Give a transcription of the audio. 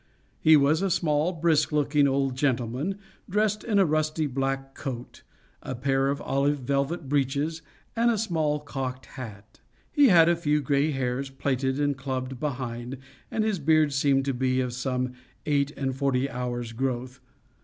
He was a small, brisk looking old gentleman, dressed in a rusty black coat, a pair of olive velvet breeches, and a small cocked hat. He had a few gray hairs plaited and clubbed behind, and his beard seemed to be of some eight and forty hours' growth.